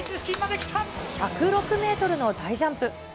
１０６メートルの大ジャンプ。